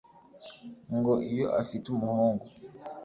Ngo iyo afite umuhungu